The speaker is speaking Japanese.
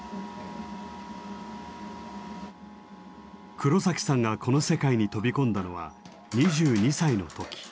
黒さんがこの世界に飛び込んだのは２２歳の時。